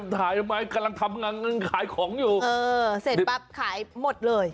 ทำไมกำลังทำงานขายของอยู่เออเสร็จปั๊บขายหมดเลย